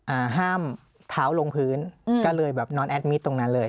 อ่าห้ามเท้าลงพื้นอืมก็เลยแบบนอนแอดมิตรตรงนั้นเลย